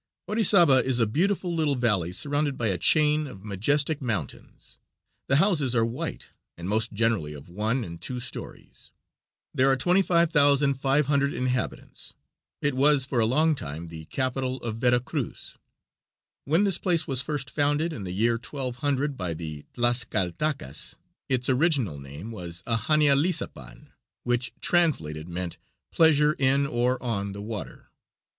Orizaba is a beautiful little valley surrounded by a chain of majestic mountains. The houses are white and most generally of one and two stories. There are 25,500 inhabitants. It was for a long time the capital of Vera Cruz. When this place was first founded in the year 1200 by the Tlascaltacas, its original name was Ahanializapan, which, translated, meant "Pleasure in or on the water."